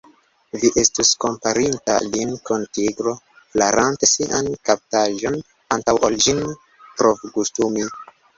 Vi estus komparinta lin kun tigro flaranta sian kaptaĵon, antaŭ ol ĝin provgustumi.